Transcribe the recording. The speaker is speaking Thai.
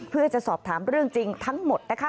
เพื่อจะสอบถามเรื่องจริงทั้งหมดนะคะ